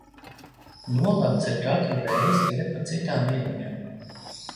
Nolemts ir katru reizi iet pa citām ieliņām.